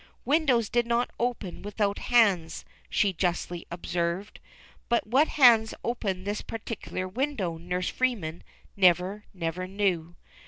"Windows did not open without hands," she justly observed. But what hands opened this particular window Nurse Freeman never, never knew